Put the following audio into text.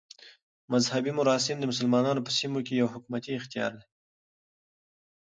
مذهبي مراسم د مسلمانانو په سیمو کښي یو حکومتي اختیار دئ.